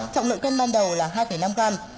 trọng lượng kênh ban đầu là hai năm gram